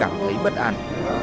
cảm thấy bất an